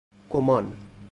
گمان